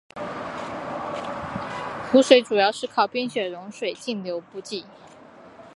湖水主要靠冰雪融水径流补给。